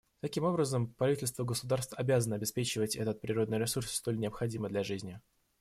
Таким образом, правительства государств обязаны обеспечивать этот природный ресурс, столь необходимый для жизни.